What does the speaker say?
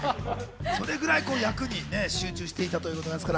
それぐらい役に集中していたということです。